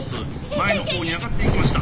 前の方に上がっていきました。